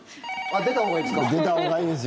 出たほうがいいですよ。